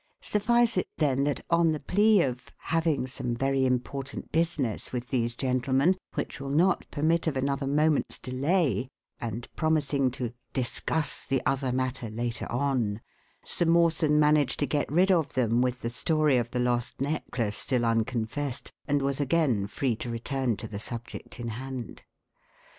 Suffice it then, that, on the plea of "having some very important business with these gentlemen, which will not permit of another moment's delay," and promising to "discuss the other matter later on," Sir Mawson managed to get rid of them, with the story of the lost necklace still unconfessed, and was again free to return to the subject in hand.